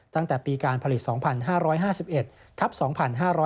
ตั้งแต่ปีการผลิต๒๕๕๑ทับ๒๕๕๙